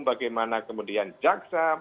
bagaimana kemudian jaksa